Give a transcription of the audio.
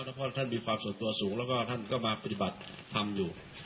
เพราะท่านมีความส่วนตัวสูงแล้วก็ท่านก็มาปฏิบัติธรรมอยู่